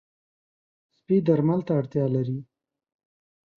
سپي درمل ته اړتیا لري.